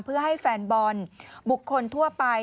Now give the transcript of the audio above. เพื่อให้แฟนบอลบุคคลทั่วไป